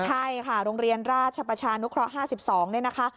ใช่ค่ะโรงเรียนราชประชานุคระ๕๒นะคะ